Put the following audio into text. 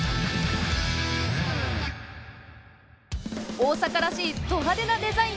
大阪らしいど派手なデザイン！